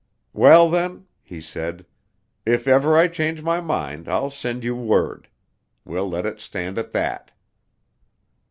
"Well, then," he said, "if ever I change my mind I'll send you word. We'll let it stand at that."